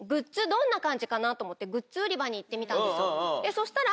そしたら。